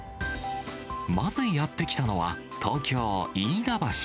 まずやって来たのは、東京・飯田橋。